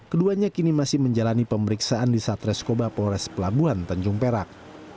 keduanya kini masih menjalani pemeriksaan di satreskoba polres pelabuhan tanjung perak